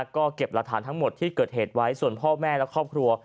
ก็เก็บหลักฐานทั้งหมดที่เกิดเหตุไว้ส่วนพ่อแม่และครอบครัว